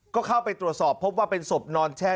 ก็เข้าไปตรวจสอบพบว่าเป็นศพนอนแช่